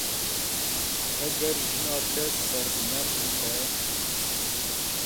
Heger jina te sernerm be.